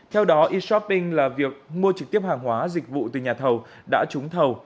theo đó e shopping là việc mua trực tiếp hàng hóa dịch vụ từ nhà thầu đã trúng thầu